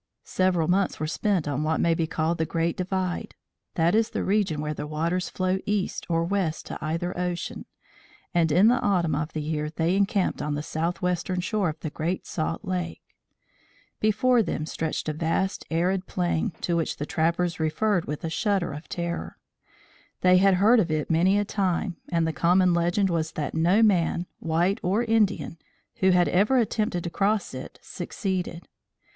Several months were spent on what may be called the Great Divide that is the region where the waters flow east or west to either ocean, and in the autumn of the year they encamped on the southwestern shore of the Great Salt Lake. Before them stretched a vast arid plain to which the trappers referred with a shudder of terror. They had heard of it many a time and the common legend was that no man white or Indian who had ever attempted to cross it, succeeded.